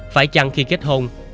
phải chăng khi kết hôn